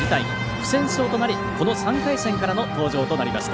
不戦勝となり、この３回戦からの登場となりました。